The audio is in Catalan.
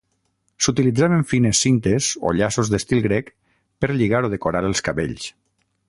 S'utilitzaven fines cintes o llaços d'estil grec per lligar o decorar els cabells.